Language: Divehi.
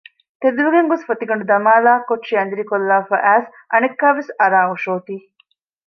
ތެދުވެގެން ގޮސް ފޮތިގަނޑު ދަމާލައި ކޮޓަރި އަނދިރިކޮށްލާފައި އައިސް އަނެއްކާވެސް އަރާ އޮށޯތީ